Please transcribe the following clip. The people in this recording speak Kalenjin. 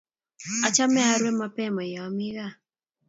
Achame arue mapema yoomi gaa